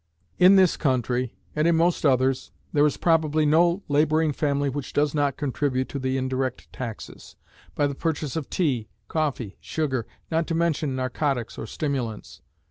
In this country, and in most others, there is probably no laboring family which does not contribute to the indirect taxes, by the purchase of tea, coffee, sugar, not to mention narcotics or stimulants.